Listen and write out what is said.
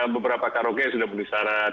beberapa karoke sudah menisarat